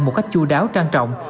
một cách chú đáo trang trọng